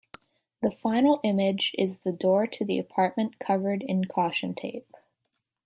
The final image is the door to the apartment covered in caution tape.